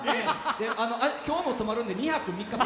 で今日も泊まるんで２泊３日。